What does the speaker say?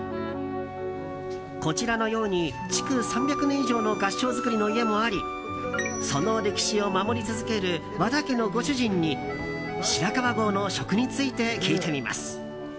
こちらのように築３００年以上の合掌造りの家もありその歴史を守り続ける和田家のご主人に白川郷の食について聞いてみます。